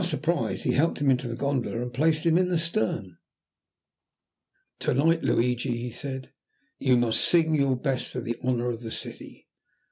To our surprise he helped him into the gondola and placed him in the stern. "To night, Luigi," he said, "you must sing your best for the honour of the city."